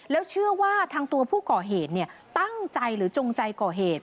แล้วเชื่อว่าทางตัวผู้ก่อเหตุตั้งใจหรือจงใจก่อเหตุ